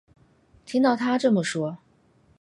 听到她这么说